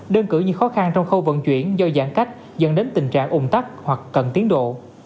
đơn cử như khó khăn trong khâu vận chuyển do giãn cách dẫn đến tình trạng ủng tắc hoặc cần tiến độ